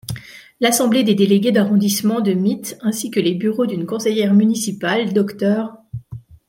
L'assemblée des délégués d'arrondissement de Mitte ainsi que les bureaux d'une conseillère municipale, Dr.